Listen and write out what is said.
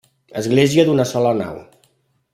Església d'una sola nau.